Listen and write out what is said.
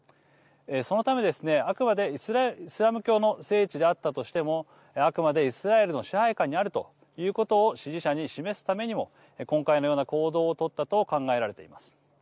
そのためですね、あくまでイスラム教の聖地であったとしてもあくまでイスラエルの支配下にあるということを支持者に示すためにも今回のような行動を取ったと考えられています。